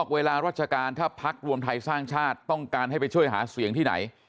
เวลาราชการถ้าพักรวมไทยสร้างชาติต้องการให้ไปช่วยหาเสียงที่ไหน